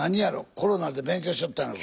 コロナで勉強しとったんやろか。